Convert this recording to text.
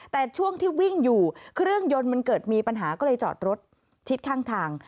แต่ช่วงที่วิ่งอยู่เครื่องยนต์มันเกิดมีปัญหาก็เลยจอดรถชิดข้างทาง